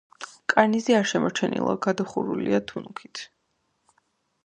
კარნიზი არ შემორჩენილა, გადახურულია თუნუქით.